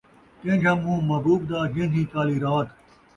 کین٘جھا مون٘ہہ محبوب دا ، جین٘جھی کالی رات